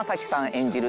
演じる